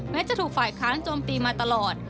จะถูกฝ่ายค้านโจมตีมาตลอด